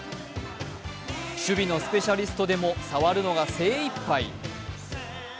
守備のスペシャリストでも触るのが精いっぱい。